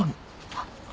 あっ。